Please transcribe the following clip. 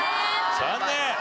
残念！